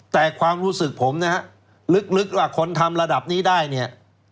แต่ความรู้สึกผมนะฮะลึกว่าคนทำระดับนี้ได้เนี่ย